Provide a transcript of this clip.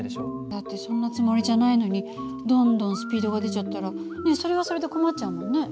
だってそんなつもりじゃないのにどんどんスピードが出ちゃったらそれはそれで困っちゃうもんね。